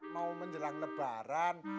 mau menjelang lebaran